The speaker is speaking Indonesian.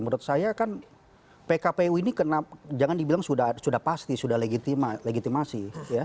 menurut saya kan pkpu ini jangan dibilang sudah pasti sudah legitimasi